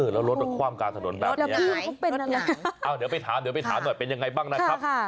แล้วรถนั้นความกาลถนนแบบนี้อ้าวเดี๋ยวไปถามหน่อยเป็นอย่างไรบ้างนะครับ